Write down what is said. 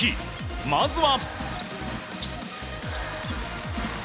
まずは。